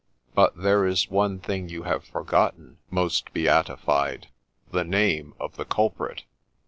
But there is one thing you have forgotten, most Beatified — the name of the culprit.'